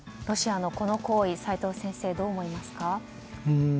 ロシアのこの行為齋藤先生、どう思いますか？